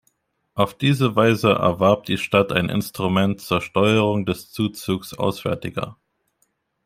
Auf diese Weise erwarb die Stadt ein Instrument zur Steuerung des Zuzugs Auswärtiger.